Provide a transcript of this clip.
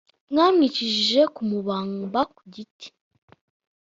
Bamwicishije kumubamba ku giti